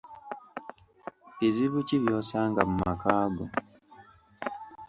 Bizibu ki by'osanga mu makaago?